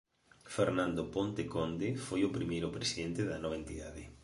Fernando Ponte Conde foi o primeiro presidente da nova entidade.